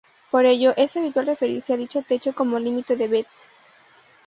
Por ello, es habitual referirse a dicho techo como límite de Betz.